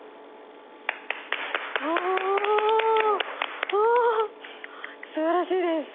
おおすばらしいです。